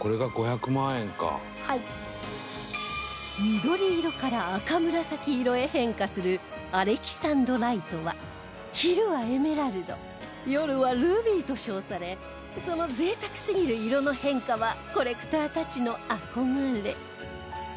緑色から赤紫色へ変化するアレキサンドライトは昼はエメラルド夜はルビーと称されその贅沢すぎる色の変化はコレクターたちの憧れ